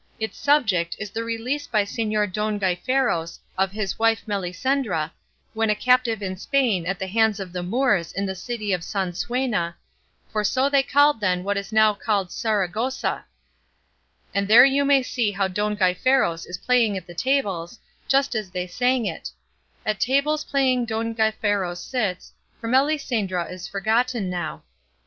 Its subject is the release by Señor Don Gaiferos of his wife Melisendra, when a captive in Spain at the hands of the Moors in the city of Sansuena, for so they called then what is now called Saragossa; and there you may see how Don Gaiferos is playing at the tables, just as they sing it— At tables playing Don Gaiferos sits, For Melisendra is forgotten now.